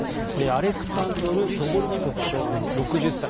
アレクサンドル・ドボルニコフ将軍、６０歳。